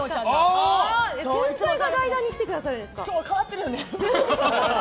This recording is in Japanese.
先輩が代打で来てくださるんですか。